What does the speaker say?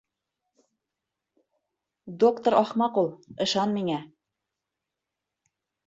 Доктор ахмаҡ ул, ышан миңә.